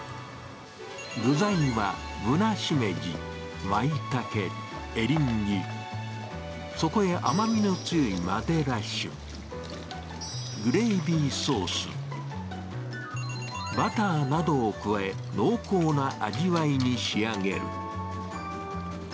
具材は、ブナシメジ、マイタケ、エリンギ、そこへ甘みの強いマデラ酒、グレイビーソース、バターなどを加え、濃厚な味わいに仕上げる。